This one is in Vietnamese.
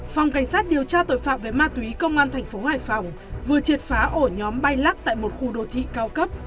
phòng cảnh sát điều tra tội phạm về ma túy công an tp hcm vừa triệt phá ổ nhóm bay lắc tại một khu đô thi cao cấp